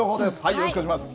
よろしくお願いします。